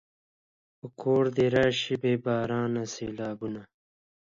په کور دې راشه بې بارانه سېلابونه